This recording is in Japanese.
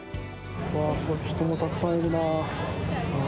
すごい、人もたくさんいるなあ。